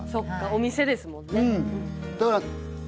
お店ですもんね。